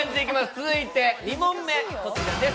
続いて２問目こちらです。